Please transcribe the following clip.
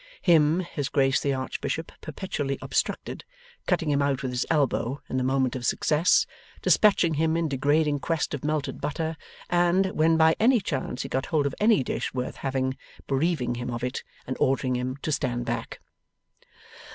Him, his Grace the Archbishop perpetually obstructed, cutting him out with his elbow in the moment of success, despatching him in degrading quest of melted butter, and, when by any chance he got hold of any dish worth having, bereaving him of it, and ordering him to stand back.